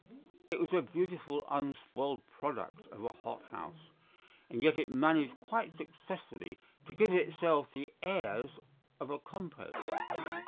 It was a beautiful unspoiled product of a hothouse, and yet it managed quite successfully to give itself the airs of a compote.